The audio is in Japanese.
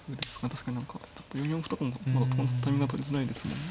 確かに何か４四歩とかもまだタイミングはとりづらいですもんね。